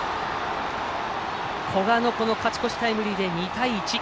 古賀の勝ち越しタイムリーで２対１。